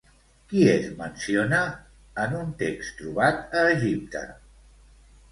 Qui es menciona en un text trobat a Egipte?